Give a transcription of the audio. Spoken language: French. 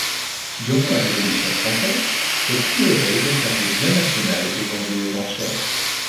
Durant la Révolution française, le prieuré déclaré bien national est vendu aux enchères.